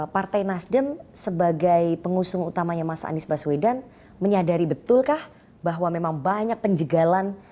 partai nasdem sebagai pengusung utamanya mas anies baswedan menyadari betulkah bahwa memang banyak penjegalan